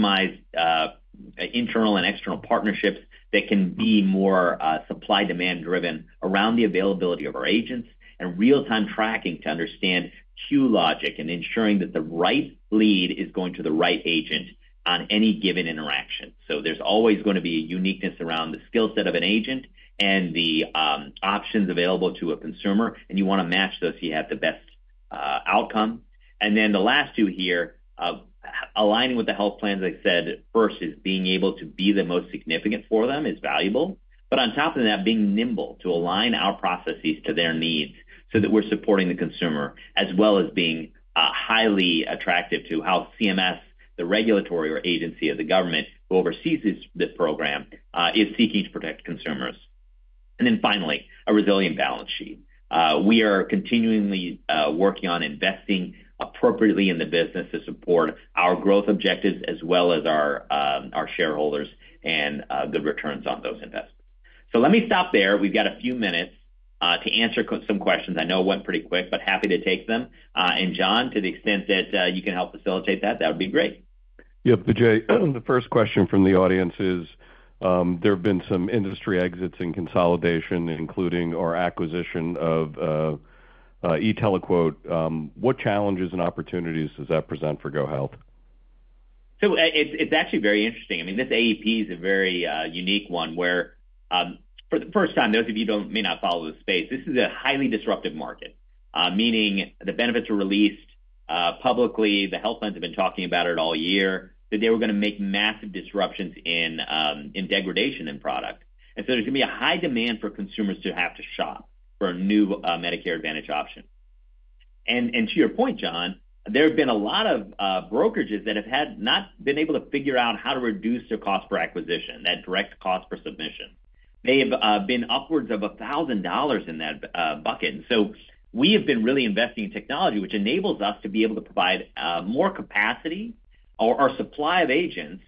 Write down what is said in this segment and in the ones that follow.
Customize internal and external partnerships that can be more supply-demand driven around the availability of our agents, and real-time tracking to understand queue logic and ensuring that the right lead is going to the right agent on any given interaction. So there's always going to be a uniqueness around the skill set of an agent and the options available to a consumer, and you want to match those so you have the best outcome. And then the last two here of aligning with the health plans, like I said, first is being able to be the most significant for them is valuable. But on top of that, being nimble to align our processes to their needs so that we're supporting the consumer, as well as being highly attractive to how CMS, the regulatory agency of the government who oversees this program, is seeking to protect consumers. And then finally, a resilient balance sheet. We are continually working on investing appropriately in the business to support our growth objectives as well as our shareholders and good returns on those investments. So let me stop there. We've got a few minutes to answer some questions. I know it went pretty quick, but happy to take them. And John, to the extent that you can help facilitate that, that would be great. Yeah, Vijay, the first question from the audience is, there have been some industry exits and consolidation, including our acquisition of e-TeleQuote. What challenges and opportunities does that present for GoHealth? It's actually very interesting. I mean, this AEP is a very unique one, where for the first time, those of you who may not follow the space, this is a highly disruptive market. Meaning the benefits were released publicly. The health plans have been talking about it all year, that they were going to make massive disruptions in degradation in product. And so there's going to be a high demand for consumers to have to shop for a new Medicare Advantage option. And to your point, John, there have been a lot of brokerages that have had not been able to figure out how to reduce their cost per acquisition, that direct cost per submission. They have been upwards of $1,000 in that bucket. And so we have been really investing in technology, which enables us to be able to provide more capacity or our supply of agents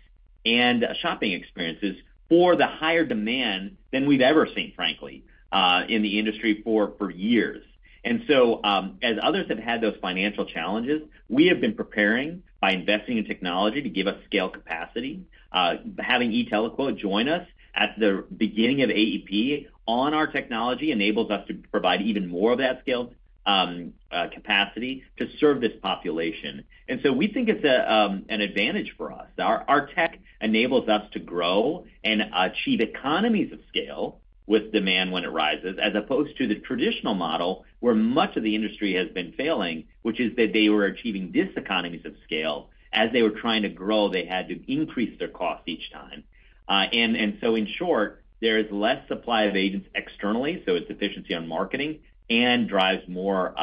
and shopping experiences for the higher demand than we've ever seen, frankly, in the industry for years. And so as others have had those financial challenges, we have been preparing by investing in technology to give us scale capacity. Having e-TeleQuote join us at the beginning of AEP on our technology enables us to provide even more of that scale capacity to serve this population. And so we think it's an advantage for us. Our tech enables us to grow and achieve economies of scale with demand when it rises, as opposed to the traditional model, where much of the industry has been failing, which is that they were achieving diseconomies of scale. As they were trying to grow, they had to increase their cost each time. And so in short, there is less supply of agents externally, so it's efficiency on marketing and drives more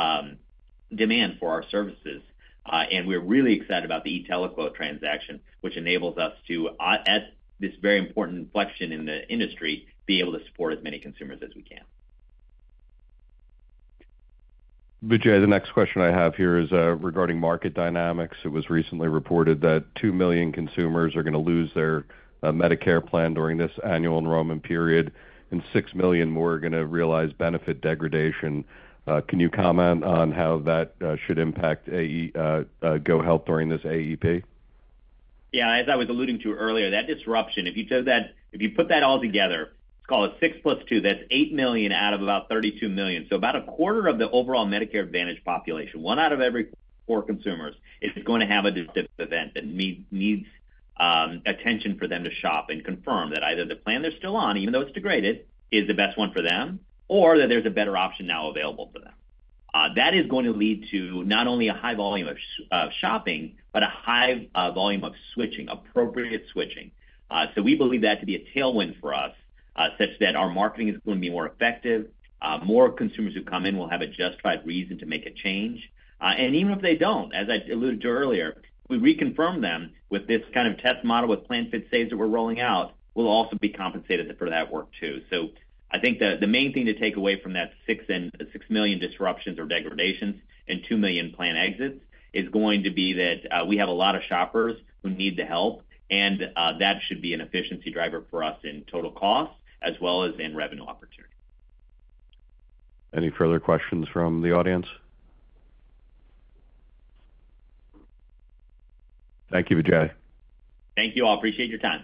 demand for our services. And we're really excited about the e-TeleQuote transaction, which enables us to, at this very important inflection in the industry, be able to support as many consumers as we can. Vijay, the next question I have here is, regarding market dynamics. It was recently reported that two million consumers are going to lose their, Medicare plan during this annual enrollment period, and six million more are going to realize benefit degradation. Can you comment on how that, should impact AE, GoHealth during this AEP? Yeah, as I was alluding to earlier, that disruption, if you took that. If you put that all together, call it six plus two, that's eight million out of about thirty-two million. So about a quarter of the overall Medicare Advantage population, one out of every four consumers, is going to have a disruptive event that needs attention for them to shop and confirm that either the plan they're still on, even though it's degraded, is the best one for them, or that there's a better option now available for them. That is going to lead to not only a high volume of shopping, but a high volume of switching, appropriate switching. So we believe that to be a tailwind for us, such that our marketing is going to be more effective. More consumers who come in will have a justified reason to make a change, and even if they don't, as I alluded to earlier, we reconfirm them with this kind of test model with Plan Fit Check that we're rolling out, we'll also be compensated for that work, too, so I think the main thing to take away from that 6.6 million disruptions or degradations and 2 million plan exits is going to be that we have a lot of shoppers who need the help, and that should be an efficiency driver for us in total cost as well as in revenue opportunity. Any further questions from the audience? Thank you, Vijay. Thank you all. Appreciate your time.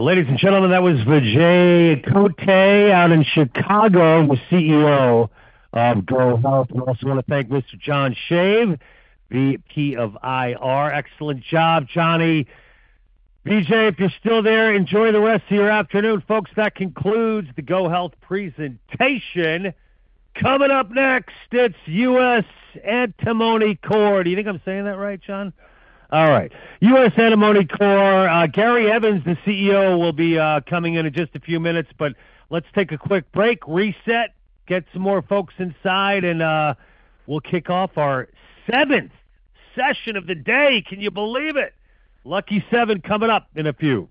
Ladies and gentlemen, that was Vijay Kotte out in Chicago, the CEO of GoHealth. We also want to thank Mr. John Shave, VP of IR. Excellent job, Johnny. Vijay, if you're still there, enjoy the rest of your afternoon. Folks, that concludes the GoHealth presentation. Coming up next, it's US Antimony Corp. Do you think I'm saying that right, John? All right, US Antimony Corp. Gary Evans, the CEO, will be coming in in just a few minutes, but let's take a quick break, reset, get some more folks inside, and we'll kick off our seventh session of the day. Can you believe it? Lucky seven, coming up in a few.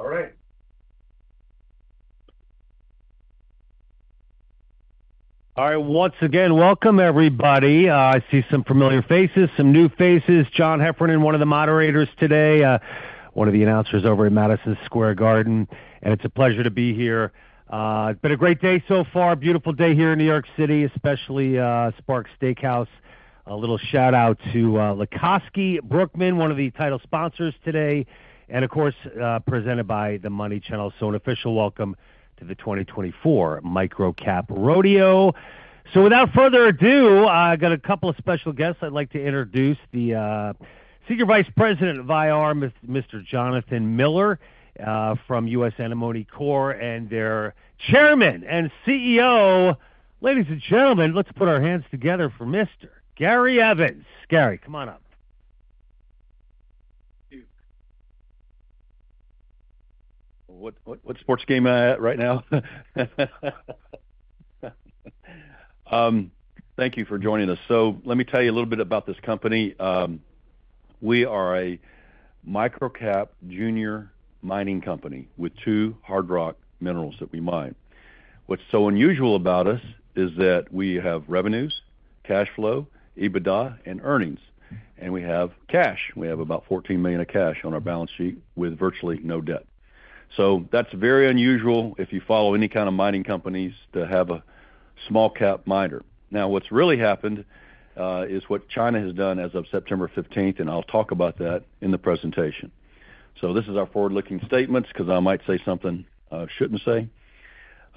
All right. Once again, welcome, everybody. I see some familiar faces, some new faces. John Heffernan, one of the moderators today, one of the announcers over at Madison Square Garden, and it's a pleasure to be here. It's been a great day so far. Beautiful day here in New York City, especially, Sparks Steakhouse. A little shout-out to Lucosky Brookman, one of the title sponsors today, and of course, presented by the Money Channel. So an official welcome to the 2024 MicroCap Rodeo. So without further ado, I've got a couple of special guests. I'd like to introduce the Senior Vice President of IR, Mr. Jonathan Miller, from US Antimony Corp, and their Chairman and CEO. Ladies and gentlemen, let's put our hands together for Mr. Gary Evans. Gary, come on up. What sports game am I at right now? Thank you for joining us. So let me tell you a little bit about this company. We are a micro-cap junior mining company with two hard rock minerals that we mine. What's so unusual about us is that we have revenues, cash flow, EBITDA, and earnings, and we have cash. We have about $14 million of cash on our balance sheet with virtually no debt. So that's very unusual, if you follow any kind of mining companies, to have a small cap miner. Now, what's really happened is what China has done as of September fifteenth, and I'll talk about that in the presentation. So this is our forward-looking statements, because I might say something I shouldn't say.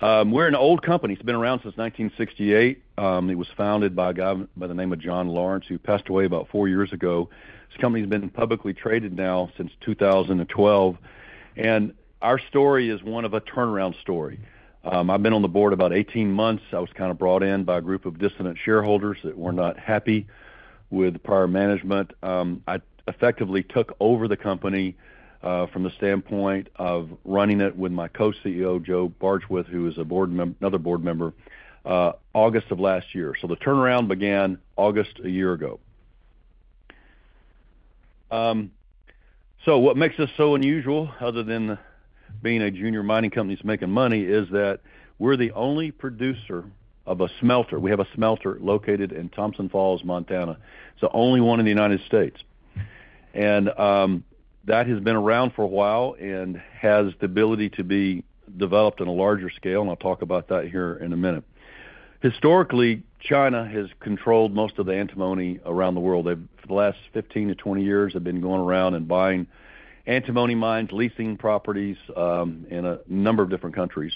We're an old company. It's been around since 1968. It was founded by a guy by the name of John Lawrence, who passed away about four years ago. This company's been publicly traded now since 2012, and our story is one of a turnaround story. I've been on the board about 18 months. I was kind of brought in by a group of dissident shareholders that were not happy with prior management. I effectively took over the company from the standpoint of running it with my co-CEO, Joe Bardswich, who is a board member, another board member August of last year, so the turnaround began August a year ago. What makes us so unusual, other than being a junior mining company that's making money, is that we're the only producer of a smelter. We have a smelter located in Thompson Falls, Montana. It's the only one in the United States. That has been around for a while and has the ability to be developed on a larger scale, and I'll talk about that here in a minute. Historically, China has controlled most of the antimony around the world. They've, for the last 15-20 years, have been going around and buying antimony mines, leasing properties, in a number of different countries.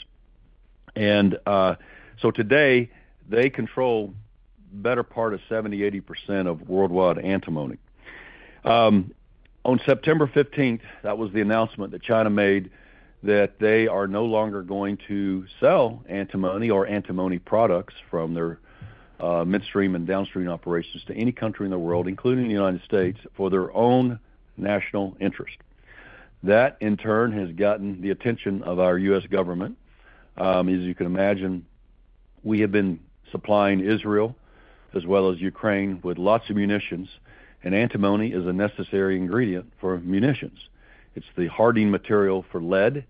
So today, they control the better part of 70%-80% of worldwide antimony. On September fifteenth, that was the announcement that China made, that they are no longer going to sell antimony or antimony products from their midstream and downstream operations to any country in the world, including the United States, for their own national interest. That, in turn, has gotten the attention of our U.S. government. As you can imagine, we have been supplying Israel, as well as Ukraine, with lots of munitions, and antimony is a necessary ingredient for munitions. It's the hardening material for lead.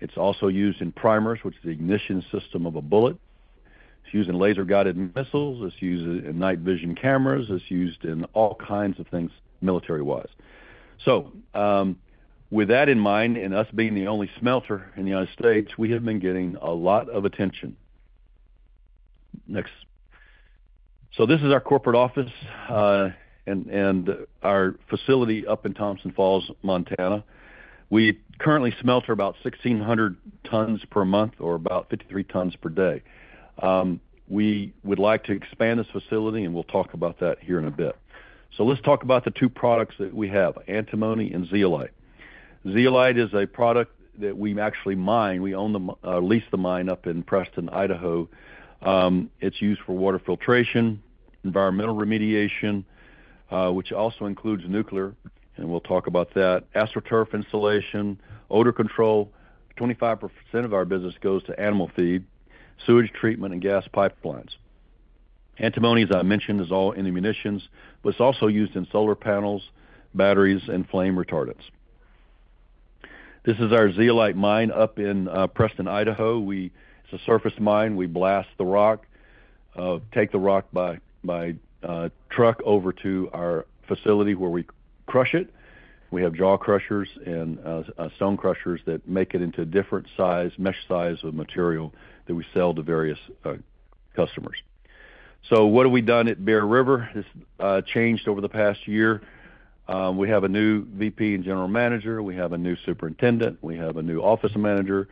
It's also used in primers, which is the ignition system of a bullet. It's used in laser-guided missiles, it's used in night vision cameras, it's used in all kinds of things, military-wise. With that in mind, and us being the only smelter in the United States, we have been getting a lot of attention. Next. This is our corporate office, and our facility up in Thompson Falls, Montana. We currently smelt about 1,600 tons per month, or about 53 tons per day. We would like to expand this facility, and we'll talk about that here in a bit. Let's talk about the two products that we have, antimony and zeolite. Zeolite is a product that we actually mine. We lease the mine up in Preston, Idaho. It's used for water filtration, environmental remediation, which also includes nuclear, and we'll talk about that. AstroTurf installation, odor control, 25% of our business goes to animal feed, sewage treatment and gas pipelines. Antimony, as I mentioned, is all in the munitions, but it's also used in solar panels, batteries and flame retardants. This is our zeolite mine up in Preston, Idaho. It's a surface mine. We blast the rock, take the rock by truck over to our facility, where we crush it. We have jaw crushers and stone crushers that make it into different size, mesh size of material that we sell to various customers. So what have we done at Bear River? It's changed over the past year. We have a new VP and general manager. We have a new superintendent. We have a new office manager,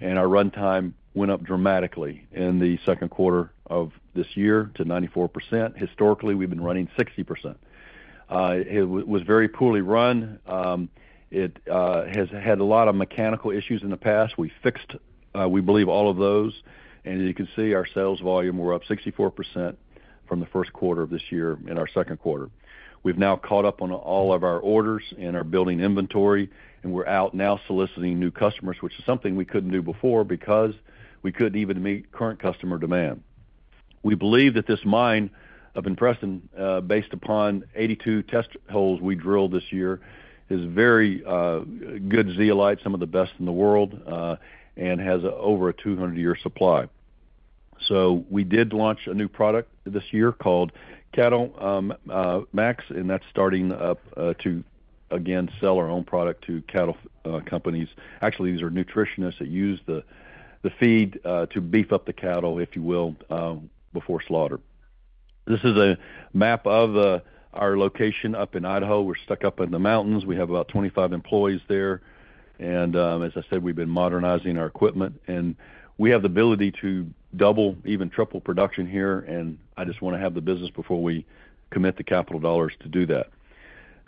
and our runtime went up dramatically in the second quarter of this year to 94%. Historically, we've been running 60%. It was very poorly run. It has had a lot of mechanical issues in the past. We fixed, we believe, all of those, and you can see our sales volume were up 64% from the first quarter of this year in our second quarter. We've now caught up on all of our orders and are building inventory, and we're out now soliciting new customers, which is something we couldn't do before because we couldn't even meet current customer demand. We believe that this mine up in Preston, Idaho, based upon 82 test holes we drilled this year, is very good zeolite, some of the best in the world, and has over a 200-year supply, so we did launch a new product this year called CattleMax, and that's starting up to, again, sell our own product to cattle companies. Actually, these are nutritionists that use the feed to beef up the cattle, if you will, before slaughter. This is a map of our location up in Idaho. We're stuck up in the mountains. We have about 25 employees there, and, as I said, we've been modernizing our equipment, and we have the ability to double, even triple, production here, and I just want to have the business before we commit the capital dollars to do that.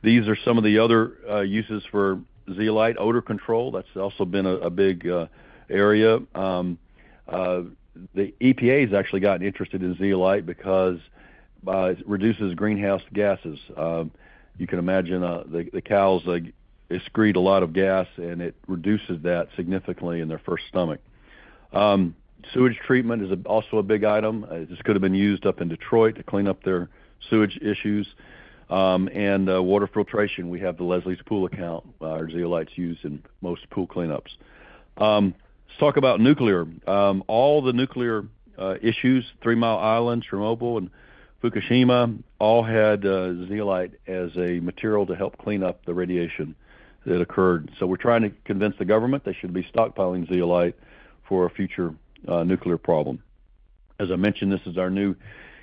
These are some of the other uses for zeolite odor control, that's also been a big area. The EPA has actually gotten interested in zeolite because it reduces greenhouse gases. You can imagine the cows excrete a lot of gas, and it reduces that significantly in their first stomach. Sewage treatment is also a big item. This could have been used up in Detroit to clean up their sewage issues. Water filtration, we have the Leslie's Pool account. Our zeolite is used in most pool cleanups. Let's talk about nuclear. All the nuclear issues, Three Mile Island, Chernobyl, and Fukushima, all had zeolite as a material to help clean up the radiation that occurred. So we're trying to convince the government they should be stockpiling zeolite for a future nuclear problem. As I mentioned, this is our new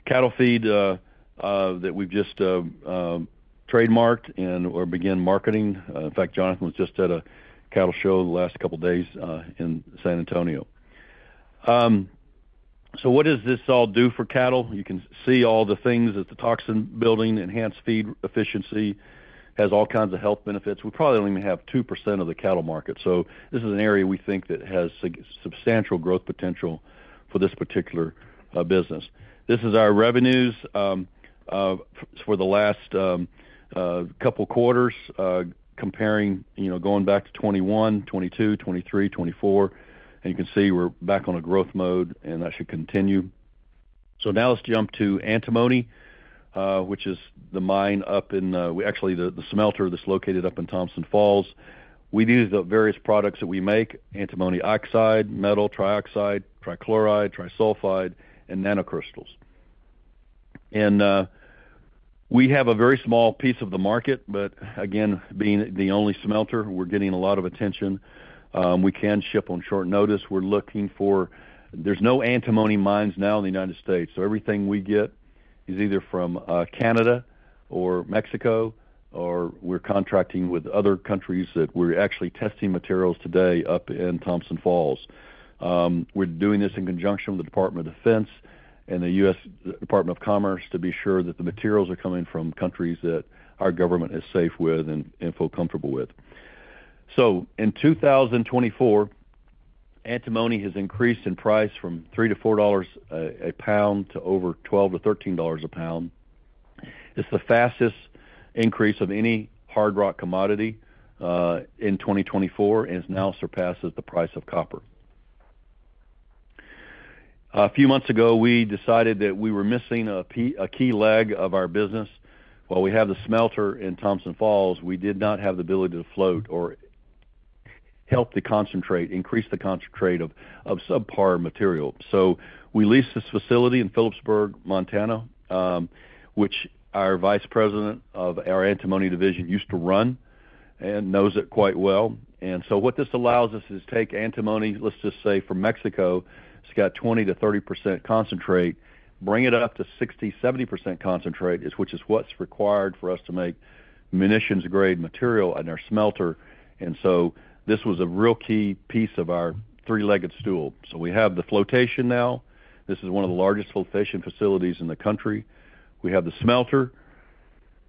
cattle feed that we've just trademarked and/or begin marketing. In fact, Jonathan was just at a cattle show the last couple days in San Antonio. So what does this all do for cattle? You can see all the things that the toxin binding, enhanced feed efficiency, has all kinds of health benefits. We probably only have 2% of the cattle market, so this is an area we think that has substantial growth potential for this particular business. This is our revenues for the last couple quarters, comparing, you know, going back to 2021, 2022, 2023, 2024, and you can see we're back on a growth mode, and that should continue. So now let's jump to antimony, which is the mine up in, actually, the smelter that's located up in Thompson Falls. We use the various products that we make, antimony oxide, metal, trioxide, trichloride, trisulfide, and nanocrystals. And we have a very small piece of the market, but again, being the only smelter, we're getting a lot of attention. We can ship on short notice. There's no antimony mines now in the United States, so everything we get is either from Canada or Mexico, or we're contracting with other countries that we're actually testing materials today up in Thompson Falls. We're doing this in conjunction with the Department of Defense and the U.S. Department of Commerce to be sure that the materials are coming from countries that our government is safe with and feel comfortable with. So in 2024, antimony has increased in price from $3-$4 a pound to over $12-$13 a pound. It's the fastest increase of any hard rock commodity in 2024, and it now surpasses the price of copper. A few months ago, we decided that we were missing a key leg of our business. While we have the smelter in Thompson Falls, we did not have the ability to float or help the concentrate, increase the concentrate of subpar material. So we leased this facility in Philipsburg, Montana, which our vice president of our antimony division used to run and knows it quite well. And so what this allows us is take antimony, let's just say, from Mexico, it's got 20%-30% concentrate, bring it up to 60%-70% concentrate, which is what's required for us to make munitions-grade material in our smelter. And so this was a real key piece of our three-legged stool. So we have the flotation now. This is one of the largest flotation facilities in the country. We have the smelter.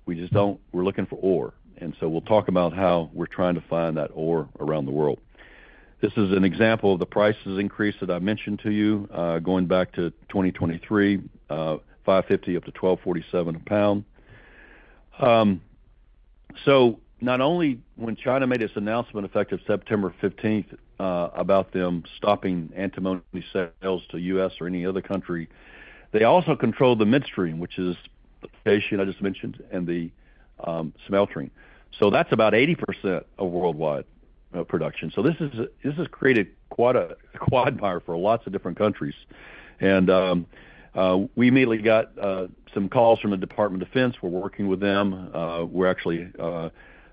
We just don't. We're looking for ore, and so we'll talk about how we're trying to find that ore around the world. This is an example of the prices increase that I mentioned to you, going back to 2023, $5.50-$12.47 a pound. So not only when China made its announcement, effective September 15th, about them stopping antimony sales to U.S. or any other country, they also controlled the midstream, which is the station I just mentioned and the smelting. So that's about 80% of worldwide production. So this has created quite a quagmire for lots of different countries. We immediately got some calls from the Department of Defense. We're working with them. We're actually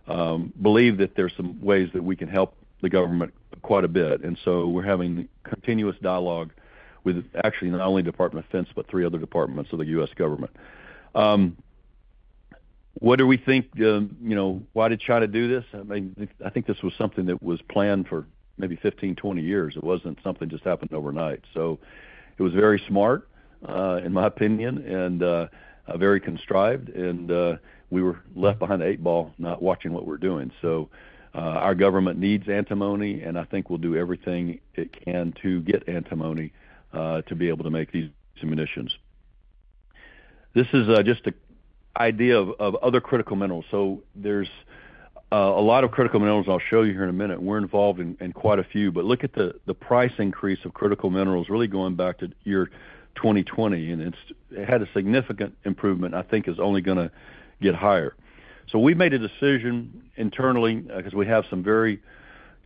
believe that there's some ways that we can help the government quite a bit, and so we're having continuous dialogue with actually not only Department of Defense, but three other departments of the U.S. government. What do we think? You know, why did China do this? I mean, I think this was something that was planned for maybe 15-20 years. It wasn't something just happened overnight. So it was very smart, in my opinion, and very contrived, and we were left behind the eight ball, not watching what we're doing. So our government needs antimony, and I think we'll do everything it can to get antimony to be able to make these munitions. This is just an idea of other critical minerals. So there's a lot of critical minerals. I'll show you here in a minute. We're involved in quite a few, but look at the price increase of critical minerals really going back to year 2020, and it had a significant improvement, I think is only gonna get higher. So we made a decision internally, because we have some very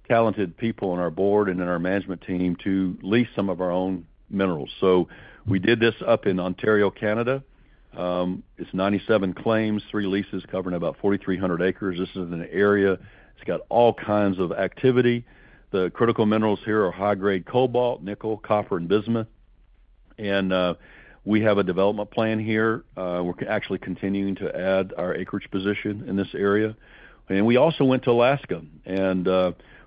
talented people on our board and in our management team, to lease some of our own minerals. So we did this up in Ontario, Canada. It's 97 claims, three leases covering about 4,300 acres. This is an area, it's got all kinds of activity. The critical minerals here are high-grade cobalt, nickel, copper, and bismuth. And we have a development plan here. We're actually continuing to add our acreage position in this area. And we also went to Alaska, and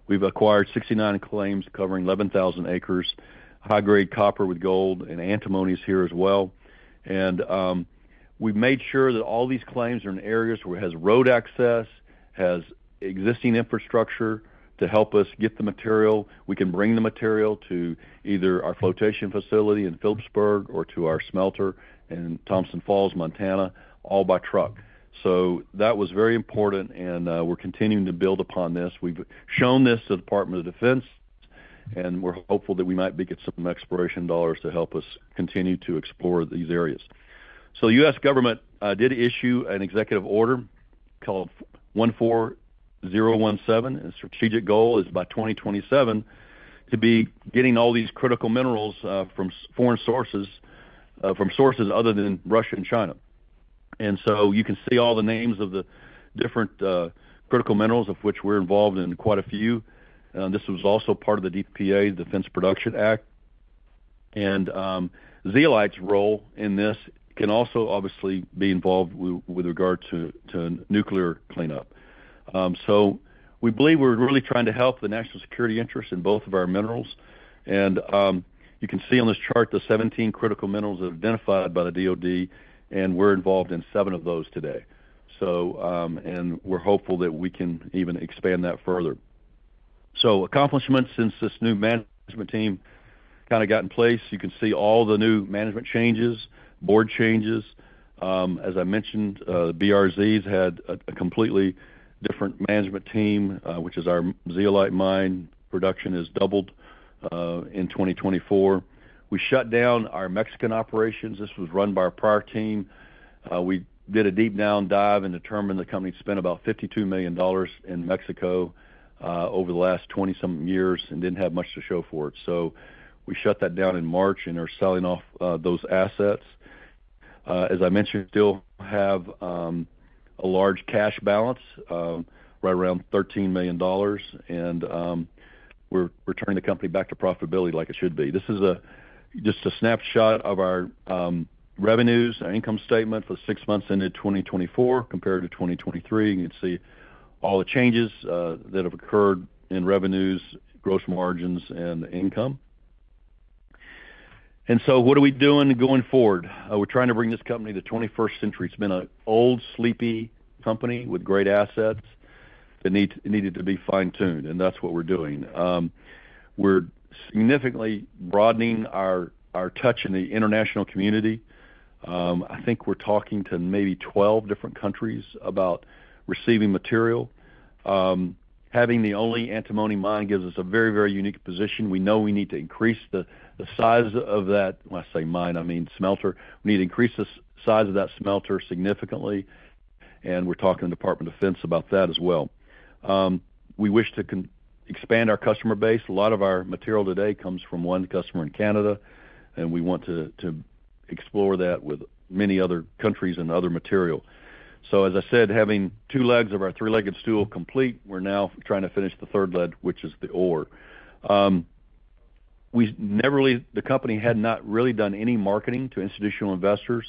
we've acquired 69 claims covering 11,000 acres. High-grade copper with gold and antimony is here as well. And we've made sure that all these claims are in areas where it has road access, has existing infrastructure to help us get the material. We can bring the material to either our flotation facility in Philipsburg or to our smelter in Thompson Falls, Montana, all by truck. So that was very important, and we're continuing to build upon this. We've shown this to the Department of Defense, and we're hopeful that we might be getting some exploration dollars to help us continue to explore these areas, so the U.S. government did issue an executive order called Executive Order 14017. The strategic goal is by 2027 to be getting all these critical minerals from foreign sources, from sources other than Russia and China, and so you can see all the names of the different critical minerals, of which we're involved in quite a few. This was also part of the DPA, Defense Production Act, and zeolite's role in this can also obviously be involved with regard to nuclear cleanup, so we believe we're really trying to help the national security interest in both of our minerals. You can see on this chart the 17 critical minerals identified by the DoD, and we're involved in 7 of those today. We're hopeful that we can even expand that further. Accomplishments since this new management team kind of got in place, you can see all the new management changes, board changes. As I mentioned, BRZ has had a completely different management team, which is our zeolite mine production is doubled in 2024. We shut down our Mexican operations. This was run by our prior team. We did a deep dive and determined the company spent about $52 million in Mexico over the last 27 years and didn't have much to show for it. We shut that down in March and are selling off those assets. As I mentioned, we still have a large cash balance right around $13 million, and we're returning the company back to profitability like it should be. This is just a snapshot of our revenues, our income statement for six months ended 2024 compared to 2023. You can see all the changes that have occurred in revenues, gross margins, and income. And so what are we doing going forward? We're trying to bring this company to 21st century. It's been an old, sleepy company with great assets that needed to be fine-tuned, and that's what we're doing. We're significantly broadening our touch in the international community. I think we're talking to maybe 12 different countries about receiving material. Having the only antimony mine gives us a very, very unique position. We know we need to increase the size of that, when I say mine, I mean smelter. We need to increase the size of that smelter significantly, and we're talking to the Department of Defense about that as well. We wish to expand our customer base. A lot of our material today comes from one customer in Canada, and we want to explore that with many other countries and other material. So as I said, having two legs of our three-legged stool complete, we're now trying to finish the third leg, which is the ore. The company had not really done any marketing to institutional investors.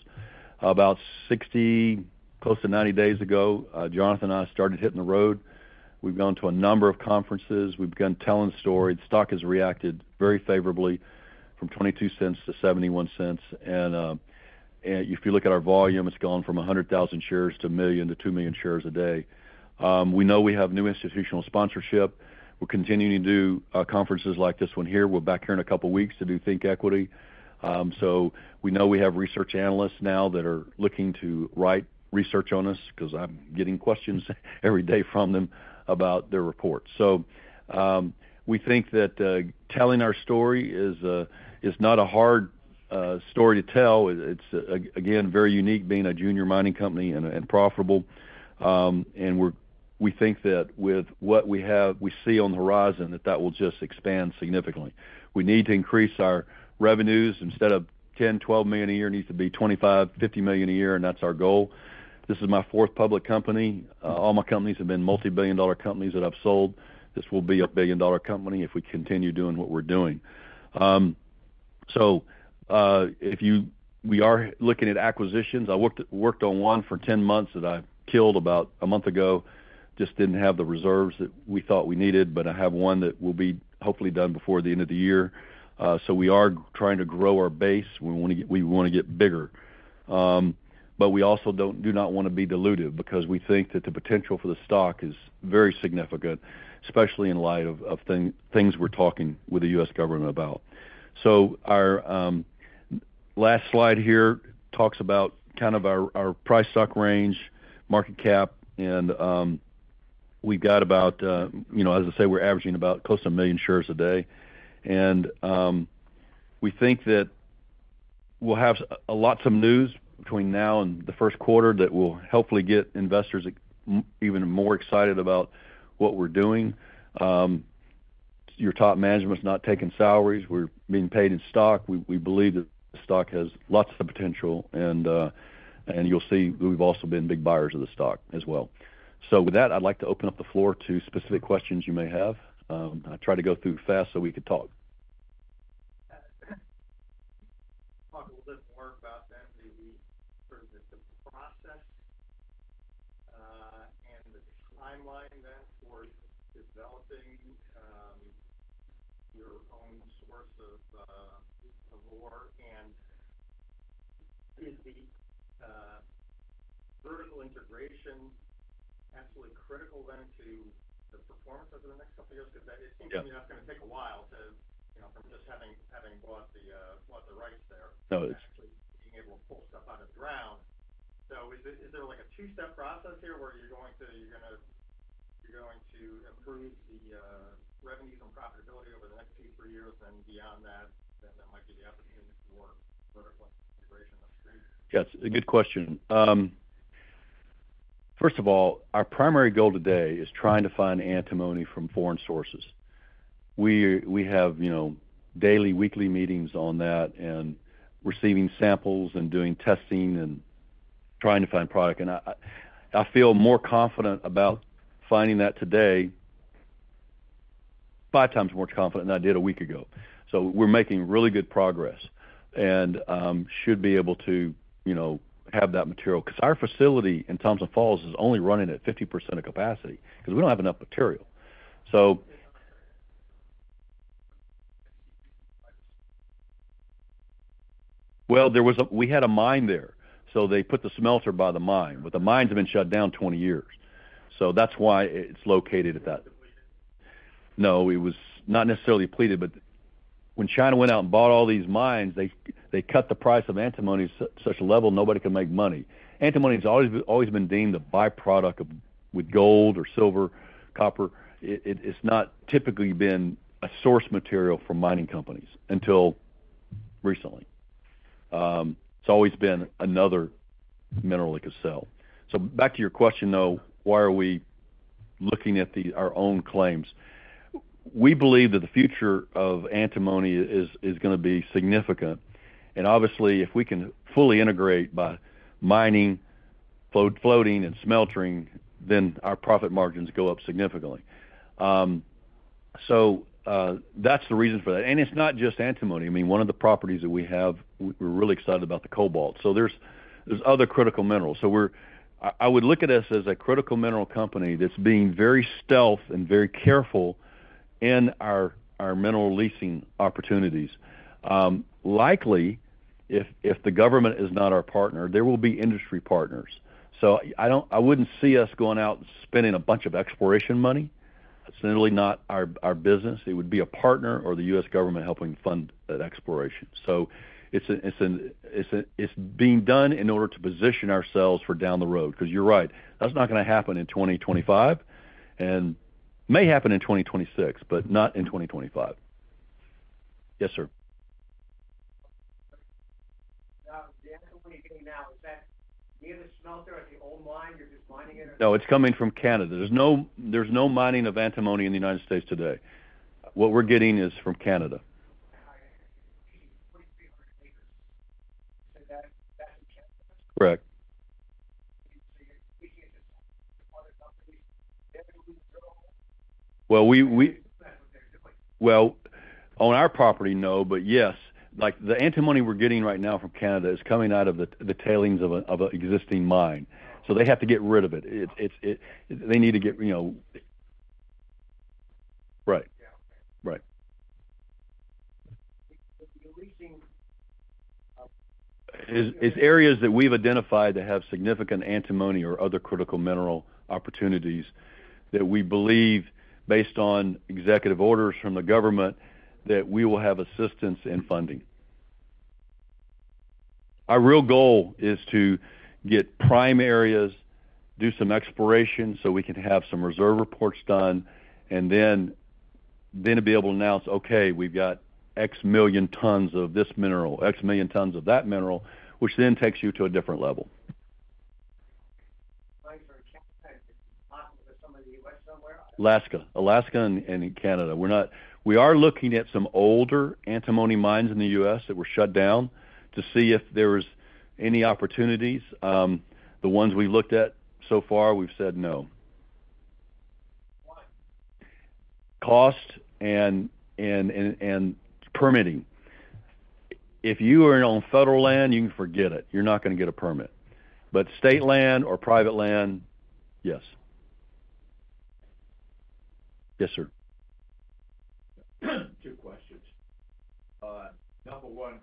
About 60, close to 90 days ago, Jonathan and I started hitting the road. We've gone to a number of conferences. We've begun telling the story. The stock has reacted very favorably, from $0.22 to $0.71. And if you look at our volume, it's gone from 100,000 shares to 1 million to 2 million shares a day. We know we have new institutional sponsorship. We're continuing to do conferences like this one here. We're back here in a couple of weeks to do ThinkEquity. So we know we have research analysts now that are looking to write research on us because I'm getting questions every day from them about their reports. So we think that telling our story is not a hard story to tell. It's again very unique being a junior mining company and profitable. And we think that with what we have we see on the horizon, that that will just expand significantly. We need to increase our revenues. Instead of $10million-$12 million a year, it needs to be $25 million-$50 million a year, and that's our goal. This is my fourth public company. All my companies have been multi-billion-dollar companies that I've sold. This will be a billion-dollar company if we continue doing what we're doing. So, we are looking at acquisitions. I worked on one for 10 months that I killed about a month ago. Just didn't have the reserves that we thought we needed, but I have one that will be hopefully done before the end of the year. So we are trying to grow our base. We want to get, we want to get bigger. But we also do not want to be diluted because we think that the potential for the stock is very significant, especially in light of things we're talking with the U.S. government about. So our last slide here talks about kind of our stock price range, market cap, and we've got about, you know, as I say, we're averaging about close to a million shares a day. And we think that we'll have lots of news between now and the first quarter that will hopefully get investors even more excited about what we're doing. Your top management is not taking salaries. We're being paid in stock. We believe that the stock has lots of potential, and you'll see we've also been big buyers of the stock as well. So with that, I'd like to open up the floor to specific questions you may have. I tried to go through fast so we could talk. Talk a little bit more about that, maybe sort of the process, and the timeline then for developing your own source of ore. And is the vertical integration absolutely critical then to the performance over the next couple of years? Because it seems to me that's going to take a while to, you know, from just having bought the rights there. Actually being able to pull stuff out of the ground. So is there like a two-step process here where you're going to improve the revenues and profitability over the next two, three years, and beyond that, then that might be the opportunity for vertical integration upstream? Yes, a good question. First of all, our primary goal today is trying to find antimony from foreign sources. We have, you know, daily, weekly meetings on that, and receiving samples and doing testing and trying to find product. And I feel more confident about finding that today, five times more confident than I did a week ago. We're making really good progress and should be able to, you know, have that material, because our facility in Thompson Falls is only running at 50% of capacity because we don't have enough material. There was a mine there, so they put the smelter by the mine, but the mines have been shut down twenty years. So that's why it's located at that. No, it was not necessarily depleted, but when China went out and bought all these mines, they cut the price of antimony to such a level, nobody could make money. Antimony has always been deemed a byproduct of, with gold or silver, copper. It's not typically been a source material for mining companies until recently. It's always been another mineral they could sell. So back to your question, though, why are we looking at our own claims? We believe that the future of antimony is gonna be significant, and obviously, if we can fully integrate by mining, flotation and smelting, then our profit margins go up significantly. So that's the reason for that. And it's not just antimony. I mean, one of the properties that we have, we're really excited about the cobalt, so there's other critical minerals. So I would look at us as a critical mineral company that's being very stealth and very careful in our mineral leasing opportunities. If the government is not our partner, there will be industry partners. So I wouldn't see us going out and spending a bunch of exploration money. It's really not our business. It would be a partner or the U.S. government helping fund that exploration. So it's being done in order to position ourselves for down the road. Because you're right, that's not going to happen in 2025, and may happen in 2026, but not in 2025. Yes, sir. Now, the antimony you're getting now, is that near the smelter at the old mine? You're just mining it? No, it's coming from Canada. There's no, there's no mining of antimony in the United States today. What we're getting is from Canada. So that, that's in Canada? Correct. So you're just getting this from other companies? On our property, no, but yes, like, the antimony we're getting right now from Canada is coming out of the tailings of an existing mine. So they have to get rid of it. It's, they need to get, you know... Right. Yeah, okay. Right. But you're leasing- It's areas that we've identified that have significant antimony or other critical mineral opportunities that we believe, based on executive orders from the government, that we will have assistance in funding. Our real goal is to get prime areas, do some exploration so we can have some reserve reports done, and then to be able to announce, "Okay, we've got X million tons of this mineral, X million tons of that mineral," which then takes you to a different level. Like for Canada, is it possible for some of the U.S. somewhere? Alaska and Canada. We are looking at some older antimony mines in the U.S. that were shut down to see if there was any opportunities. The ones we looked at so far, we've said no. Why? Cost and permitting. If you are on federal land, you can forget it. You're not going to get a permit. But state land or private land, yes. Yes, sir. Two questions. Number one,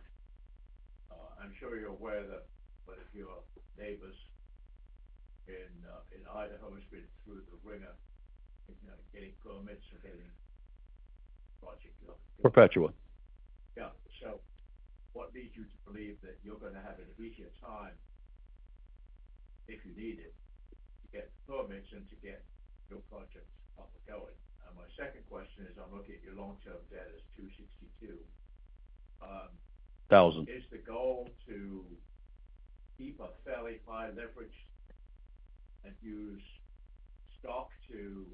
I'm sure you're aware that one of your neighbors in Idaho has been through the wringer in getting permits and getting projects off the ground. Perpetua. Yeah. So what leads you to believe that you're going to have an easier time, if you need it, to get the permits and to get your projects up and going? And my second question is, I'm looking at your long-term debt as $262. Thousand. Is the goal to keep a fairly high leverage and use stock to,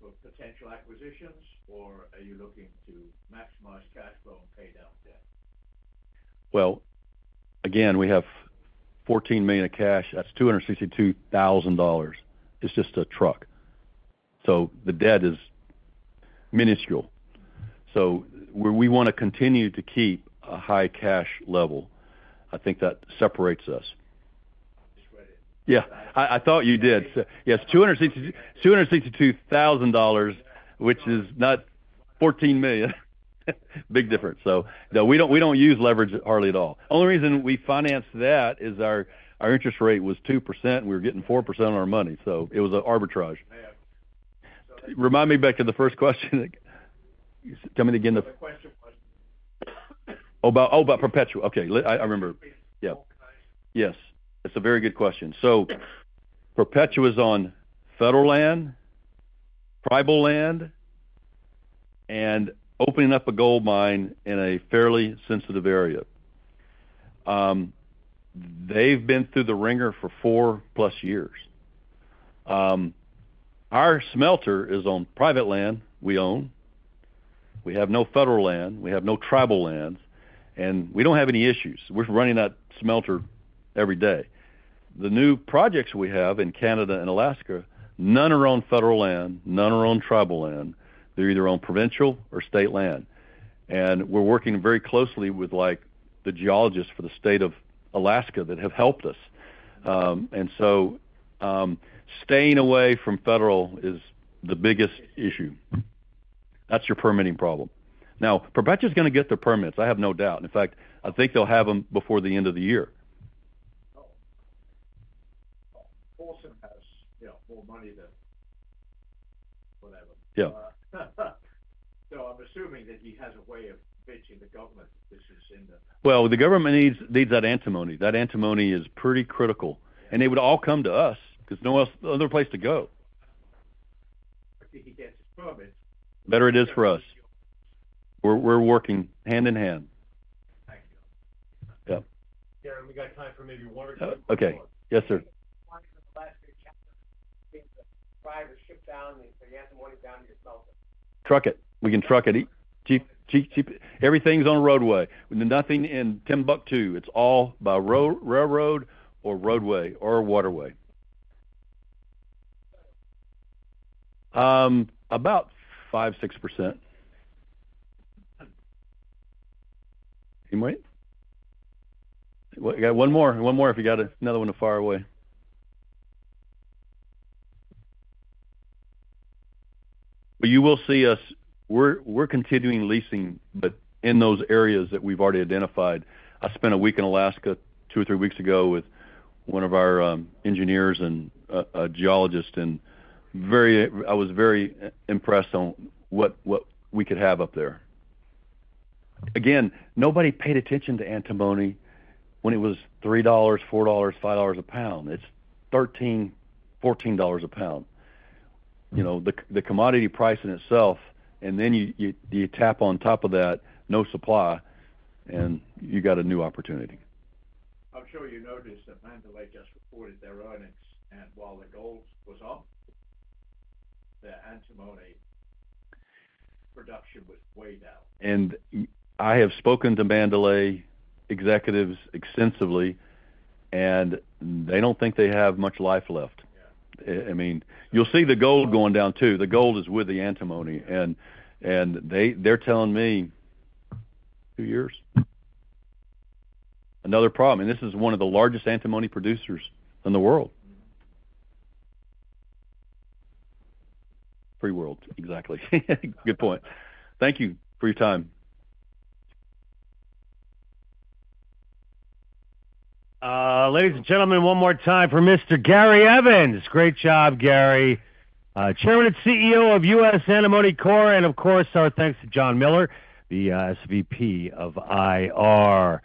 for potential acquisitions, or are you looking to maximize cash flow and pay down debt? Again, we have $14 million of cash. That's $262,000. It's just a truck. So the debt is minuscule. So we want to continue to keep a high cash level. I think that separates us. I just read it. Yeah, I thought you did. So yes, $262,000, $262,000, which is not $14 million. Big difference. So no, we don't use leverage hardly at all. Only reason we financed that is our interest rate was 2%, we were getting 4% on our money, so it was an arbitrage. Yeah. Remind me back to the first question. Tell me again the- My question was- Oh, about Perpetua. Okay, I remember. Yeah. Yes, that's a very good question. So Perpetua is on federal land, tribal land, and opening up a gold mine in a fairly sensitive area. They've been through the wringer for four-plus years. Our smelter is on private land we own. We have no federal land, we have no tribal land, and we don't have any issues. We're running that smelter every day. The new projects we have in Canada and Alaska, none are on federal land, none are on tribal land. They're either on provincial or state land. And we're working very closely with, like, the geologists for the state of Alaska that have helped us. And so, staying away from federal is the biggest issue. That's your permitting problem. Now, Perpetua's going to get their permits, I have no doubt. In fact, I think they'll have them before the end of the year. Oh. Well, Paulson has, you know, more money than whatever. Yeah. So I'm assuming that he has a way of pitching the government, this is in the- The government needs, needs that antimony. That antimony is pretty critical, and they would all come to us because no other place to go. If he gets his permits. The better it is for us. We're working hand in hand. Thank you. Yeah. Yeah, we got time for maybe one or two more. Okay. Yes, sir. Last chapter, get the driver shipped down, and the antimony down to your smelter. Truck it. We can truck it. Cheap, cheap, cheap. Everything's on roadway. Nothing in Timbuktu. It's all by railroad or roadway or waterway. About 5-6%. Can you wait? We got one more, one more if you got it. Another one too far away. But you will see us. We're continuing leasing, but in those areas that we've already identified. I spent a week in Alaska, two or three weeks ago, with one of our engineers and a geologist, and I was very impressed on what we could have up there. Again, nobody paid attention to antimony when it was $3, $4, $5 a pound. It's $13, $14 a pound. You know, the commodity price in itself, and then you tap on top of that, no supply, and you got a new opportunity. I'm sure you noticed that Mandalay just reported their earnings, and while the gold was up, the antimony production was way down. I have spoken to Mandalay executives extensively, and they don't think they have much life left. Yeah. I mean, you'll see the gold going down, too. The gold is with the antimony, and they’re telling me two years. Another problem, and this is one of the largest antimony producers in the world. Free world, exactly. Good point. Thank you for your time. Ladies and gentlemen, one more time for Mr. Gary Evans. Great job, Gary, Chairman and CEO of US Antimony Corp. And, of course, our thanks to Jonathan Miller, the SVP of IR.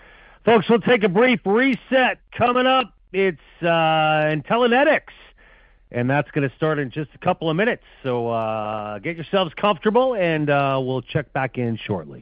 Folks, we'll take a brief reset. Coming up, it's Intellinetics, and that's going to start in just a couple of minutes. So, get yourselves comfortable, and we'll check back in shortly.